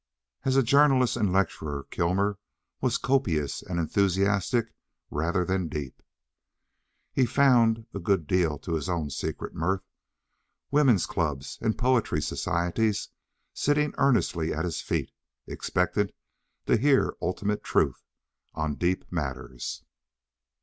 As journalist and lecturer Kilmer was copious and enthusiastic rather than deep. He found a good deal to his own secret mirth women's clubs and poetry societies sitting earnestly at his feet, expectant to hear ultimate truth on deep matters.